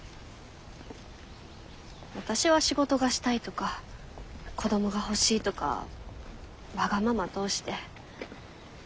私は仕事がしたいとか子どもが欲しいとかわがまま通して。